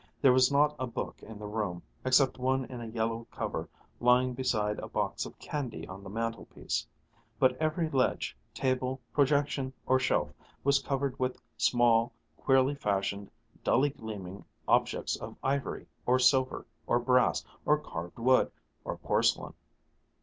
There was not a book in the room, except one in a yellow cover lying beside a box of candy on the mantelpiece, but every ledge, table, projection, or shelf was covered with small, queerly fashioned, dully gleaming objects of ivory, or silver, or brass, or carved wood, or porcelain.